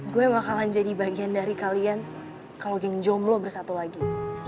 gue mah kalah jadi bagian dari kalian kalo geng jomlo bersatu lagi